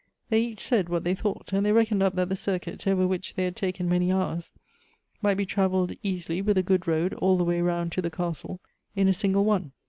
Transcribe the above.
They each said what they thought ; and they reckoned up that the circuit, over which they had taken many hours, might be travelled easily with a good road all the way round to the castle, in a single one.